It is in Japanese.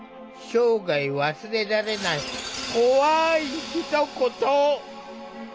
生涯忘れられない怖いひと言。